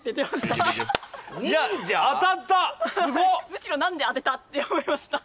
むしろなんで当てた？って思いました。